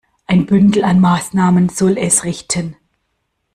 Ein Bündel an Maßnahmen soll es richten.